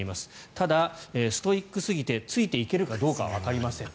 ただ、ストイックすぎてついていけるかどうかはわかりません。